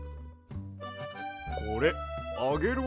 これあげるわ。